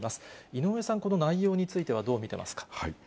井上さん、この内容については、どう見てますか。